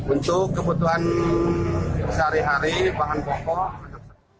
untuk kebutuhan sehari hari bahan pokok